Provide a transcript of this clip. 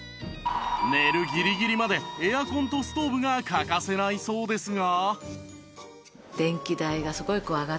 寝るギリギリまでエアコンとストーブが欠かせないそうですが